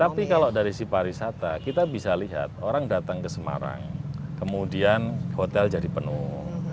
tapi kalau dari si pariwisata kita bisa lihat orang datang ke semarang kemudian hotel jadi penuh